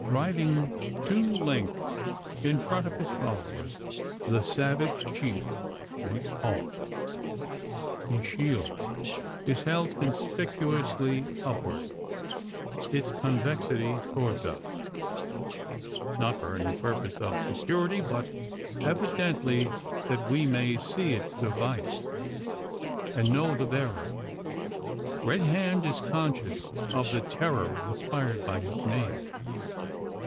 Riding two lengths in front of his followers, the savage chief makes halt. His shield is held conspicuously upward its convexity towards us not for any purpose of security; but evidently that we may see its device, and know the bearer. Red Hand is conscious of the terror inspired by his name.